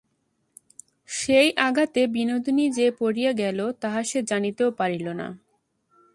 সেই আঘাতে বিনোদিনী যে পড়িয়া গেল তাহা সে জানিতেও পারিল না।